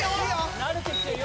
慣れてきてるよ